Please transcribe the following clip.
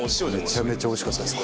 めちゃめちゃおいしかったです